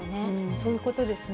そういうことですね。